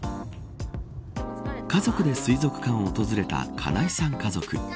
家族で水族館を訪れた金井さん家族。